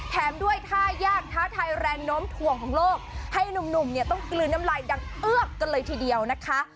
แถมด้วยท่ายากท้าทายแรงโน้มถ่วงของโลกให้หนุ่มเนี่ยต้องกลืนน้ำลายดังเอือกกันเลยทีเดียวนะคะ